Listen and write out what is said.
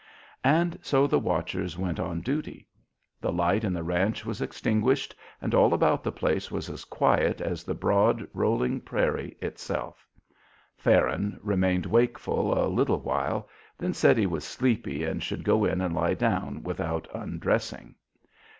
And so the watchers went on duty. The light in the ranch was extinguished, and all about the place was as quiet as the broad, rolling prairie itself. Farron remained wakeful a little while, then said he was sleepy and should go in and lie down without undressing.